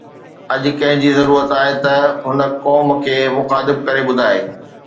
اڄ ڪنهن جي ضرورت آهي ته هن قوم کي مخاطب ڪري ٻڌائي